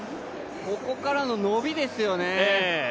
ここからの伸びですよね。